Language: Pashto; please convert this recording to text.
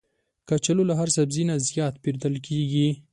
کچالو له هر سبزي نه زیات پېرودل کېږي